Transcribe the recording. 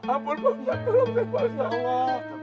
ampun pak jatuh